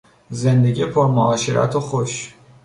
زندگی پر معاشرت و خوش